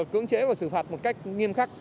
cưỡng chế và xử phạt một cách nghiêm khắc